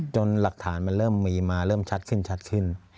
จนหลักฐานมันเริ่มมีมาเริ่มชัดขึ้น